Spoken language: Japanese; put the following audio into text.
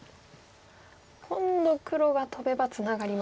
今度黒がトベばツナがりますか。